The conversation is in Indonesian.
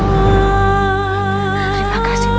terima kasih putriku